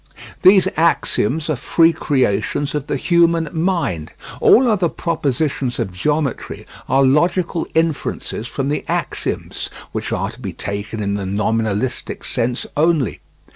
These axioms are free creations of the human mind. All other propositions of geometry are logical inferences from the axioms (which are to be taken in the nominalistic sense only).